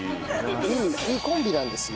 いいコンビなんですよ。